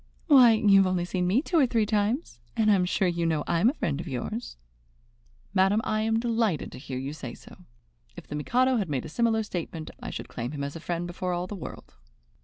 "Why, you have only seen me two or three times, and I am sure you know I'm a friend of yours." "Madam, I am delighted to hear you say so. If the Mikado had made a similar statement, I should claim him as a friend before all the world."